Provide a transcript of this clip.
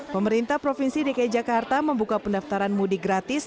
pemerintah provinsi dki jakarta membuka pendaftaran mudik gratis